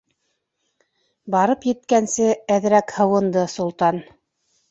Барып еткәнсе әҙерәк һыуынды Солтан.